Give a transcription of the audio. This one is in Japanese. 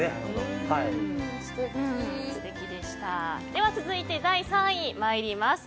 では続いて第３位、参ります。